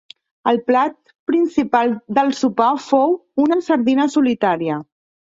El plat principal del sopar fou una sardina solitària